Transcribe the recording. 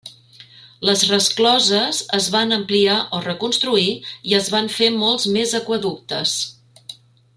Les rescloses es van ampliar o reconstruir i es van fer molts més aqüeductes.